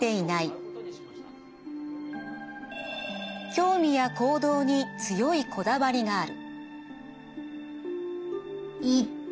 興味や行動に強いこだわりがある。